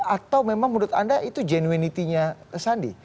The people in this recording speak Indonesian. atau memang menurut anda itu genuinity nya sandi